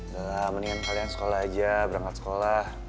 dalam mendingan kalian sekolah aja berangkat sekolah